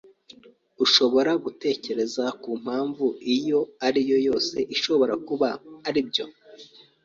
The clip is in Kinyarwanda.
Urashobora gutekereza kumpamvu iyo ari yo yose ishobora kuba aribyo?